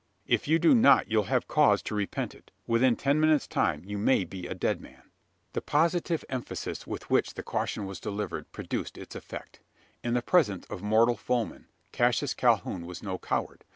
If you do not you'll have cause to repent it. Within ten minutes' time, you may be a dead man!" The positive emphasis with which the caution was delivered produced its effect. In the presence of mortal foeman, Cassius Calhoun was no coward.